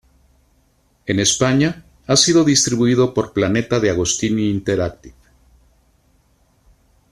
En España, ha sido distribuido por Planeta DeAgostini Interactive.